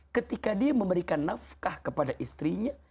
ketika dia memberikan nafkah kepada istrinya